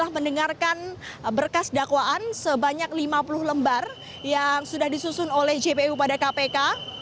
mendengarkan berkas dakwaan sebanyak lima puluh lembar yang sudah disusun oleh jpu pada kpk